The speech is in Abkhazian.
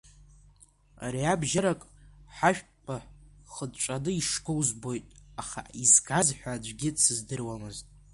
Ариабжьарак, ҳашәҭқәа хыҵәҵәаны ишгоу збоит, аха изгаз ҳәа аӡәгьы дсыздыруамызт.